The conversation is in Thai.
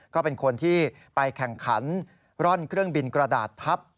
ก็เป็นคนที่ไปแข่งขันร่อนเครื่องบินกระดาษพับ